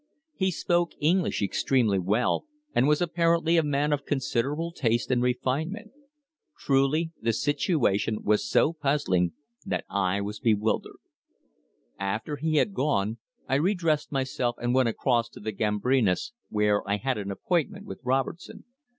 He spoke English extremely well, and was apparently a man of considerable taste and refinement. Truly, the situation was so puzzling that I was bewildered. After he had gone, I re dressed myself and went across to the Gambrinus, where I had an appointment with Robertson.